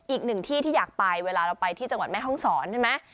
อีกหนึ่งที่ที่อยากไปเวลาเราไปที่จังหวัดแม่ห้องศรใช่ไหม